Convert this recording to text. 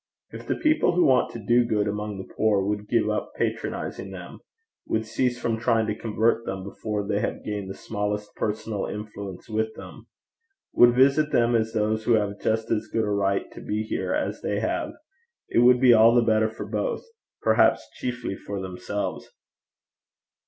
If the people who want to do good among the poor would give up patronizing them, would cease from trying to convert them before they have gained the smallest personal influence with them, would visit them as those who have just as good a right to be here as they have, it would be all the better for both, perhaps chiefly for themselves.